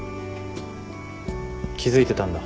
気付いてたんだ。